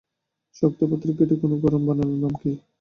শক্ত পাথর কেটে কোনো গড়ন বানানোর নাম কী?